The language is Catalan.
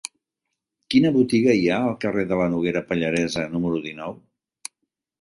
Quina botiga hi ha al carrer de la Noguera Pallaresa número dinou?